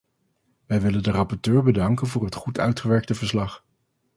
Wij willen de rapporteur bedanken voor het goed uitgewerkte verslag.